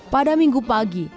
pada minggu pagi